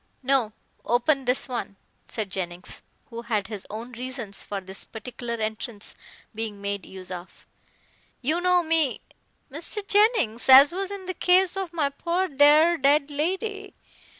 "No. Open this one," said Jennings, who had his own reasons for this particular entrance being made use of. "You know me " "Mr. Jennings, as was in the case of my pore, dear, dead lady.